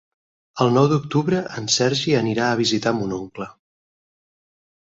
El nou d'octubre en Sergi anirà a visitar mon oncle.